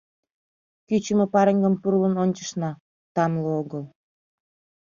Кӱчымӧ пареҥгым пурлын ончышна — тамле огыл.